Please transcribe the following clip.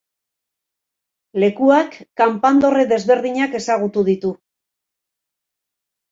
Lekuak kanpandorre desberdinak ezagutu ditu.